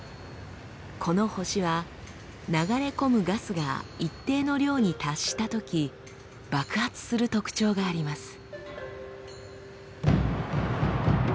この星は流れ込むガスが一定の量に達したとき爆発する特徴があります。